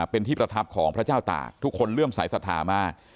เป็นที่ประทับของพระเจ้าตากทุกคนเลื่อมสายศรัทธามาก